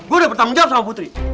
gue udah pertama menjawab sama putri